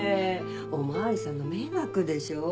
お巡りさんの迷惑でしょ。